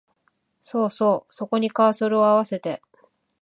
そうそう、そこにカーソルをあわせて